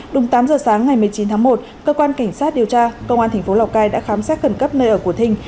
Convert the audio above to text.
đúng tám giờ sáng ngày một mươi chín tháng một cơ quan cảnh sát điều tra công an tp lào cai đã khám xét khẩn cấp nơi ở của thinh